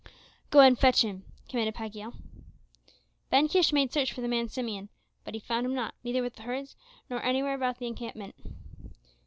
"Go and fetch him," commanded Pagiel. Ben Kish made search for the man Simeon; but he found him not, neither with the herds nor anywhere about the encampment.